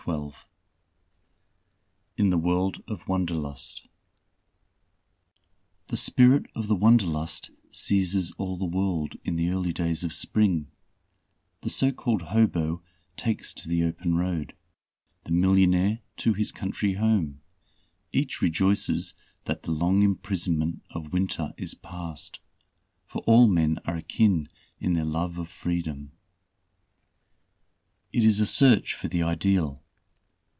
_ In the World of Wanderlust The Spirit of the Wanderlust seizes all the World in the early days of Spring the so called hobo takes to the open road, the millionaire to his country home, each rejoices that the long imprisonment of winter is passed, for all men are akin in their love of freedom. It is a search for the ideal.